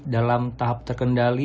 dalam tahap terkendali